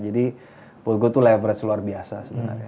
jadi buat gue tuh leverage luar biasa sebenarnya